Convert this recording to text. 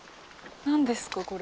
何ですかこれ。